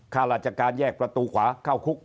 ข้าราชการแยกประตูขวาเข้าคุก